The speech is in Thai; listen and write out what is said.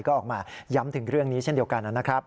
ก็ออกมาย้ำถึงเรื่องนี้เช่นเดียวกันนะครับ